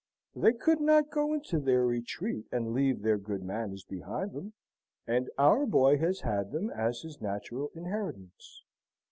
They could not go into their retreat and leave their good manners behind them, and our boy has had them as his natural inheritance."